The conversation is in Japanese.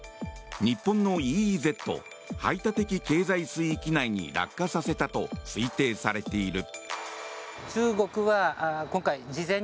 日本のＥＥＺ・排他的経済水域内に落下させたと推定されている。